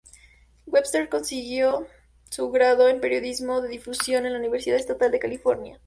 Webster consiguió su Grado en Periodismo de Difusión en la Universidad Estatal de California.